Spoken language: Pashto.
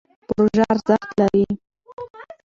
پروژه ارزښت لري.